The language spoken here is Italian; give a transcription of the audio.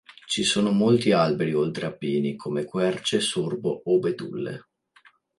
Ci sono molti alberi oltre a pini come querce, sorbo o betulle.